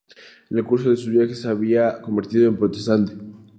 En el curso de sus viajes se había convertido en protestante.